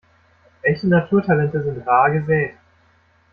Echte Naturtalente sind rar gesät.